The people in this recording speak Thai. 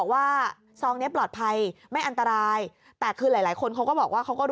ว่าซองนี้ปลอดภัยไม่อันตรายแต่คือหลายคนเค้าก็บอกว่า